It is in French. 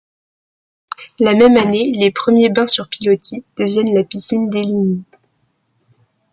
La même année, les premiers bains sur pilotis deviennent la piscine Deligny.